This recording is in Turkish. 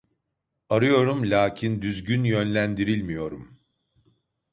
Arıyorum lakin düzgün yönlendirilmiyorum